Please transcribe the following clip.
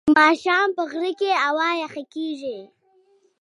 ماښام په غره کې هوا یخه کېږي.